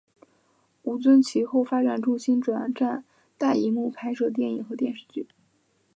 吴尊其后发展重心转战大银幕拍摄电影和电视剧。